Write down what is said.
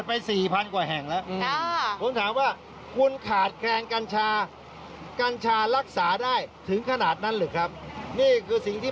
ในกรุงเทพฯเนี่ย